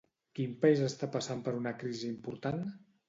Quin país està passant per una crisi important?